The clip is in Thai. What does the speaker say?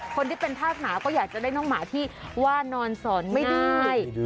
คนที่เป็นภาคหมาก็อยากจะได้น้องหมาที่ว่านอนสอนไม่ได้